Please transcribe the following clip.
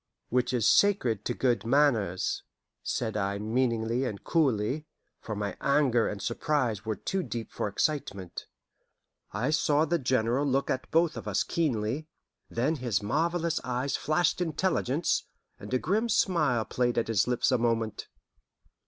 "Which is sacred to good manners," said I meaningly and coolly, for my anger and surprise were too deep for excitement. I saw the General look at both of us keenly, then his marvellous eyes flashed intelligence, and a grim smile played at his lips a moment.